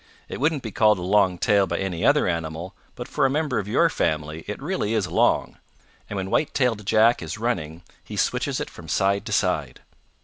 "It wouldn't be called a long tail by any other animal, but for a member of your family it really is long, and when White tailed Jack is running he switches it from side to side.